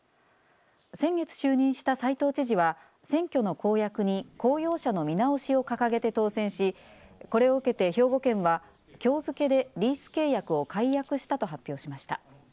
先月就任した斎藤知事は選挙の公約に公用車の見直しを掲げて当選しこれを受けて兵庫県はきょう付けでリース契約を解約したと発表しました。